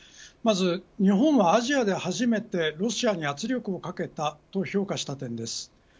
まず、日本はアジアで初めてロシアに圧力をかけたと評価した点です。